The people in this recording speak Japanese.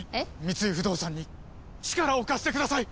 三井不動産に力を貸してください！